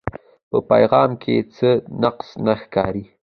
پۀ پېغام کښې څۀ نقص نۀ ښکاري